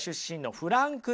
フランクル。